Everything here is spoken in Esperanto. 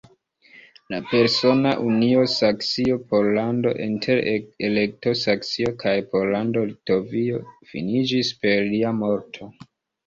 La persona unio Saksio-Pollando inter Elekto-Saksio kaj Pollando-Litovio finiĝis per lia morto.